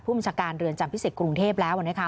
บัญชาการเรือนจำพิเศษกรุงเทพแล้วนะคะ